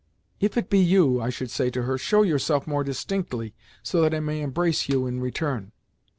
"If it be you," I should say to her, "show yourself more distinctly, so that I may embrace you in return."